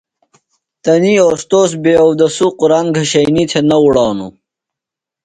تنی اوستوذ بے اوداسُو قُرآن گھشنیۡ تھےۡ نہ اُڑانُوۡ۔